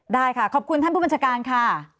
ได้ค่ะขอบคุณท่านผู้บัญชาการค่ะ